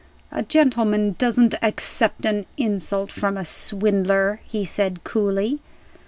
"A gentleman doesn't accept an insult from a swindler," he said, coolly.